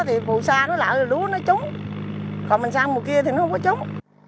thì phù sa nó lạ rồi lúa nó trúng còn mình sang mùa kia thì nó không có trúng